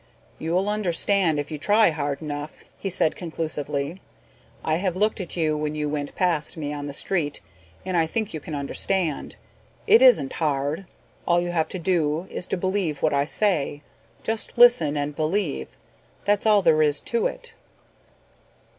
"You'll understand if you try hard enough," he said conclusively. "I have looked at you when you went past me on the street and I think you can understand. It isn't hard. All you have to do is to believe what I say, just listen and believe, that's all there is to it."